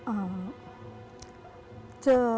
อ่า